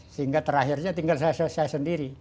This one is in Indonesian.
sehingga terakhirnya tinggal saya selesai sendiri